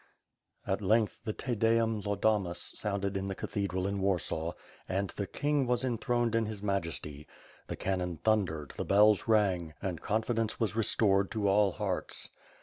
At length the Te Deum Laudamus sounded in the cathe dral in Warsaw and *'the King was enthroned in his majesty;" the cannon thundered, the bells rang, and confidence was re stored to all hearts.